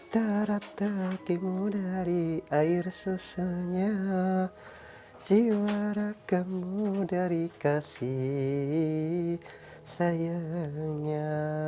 darat takimu dari air susunya jiwa rakamu dari kasih sayangnya